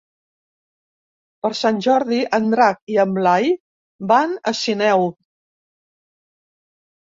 Per Sant Jordi en Drac i en Blai van a Sineu.